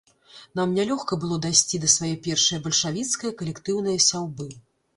Нам нялёгка было дайсці да свае першае бальшавіцкае калектыўнае сяўбы.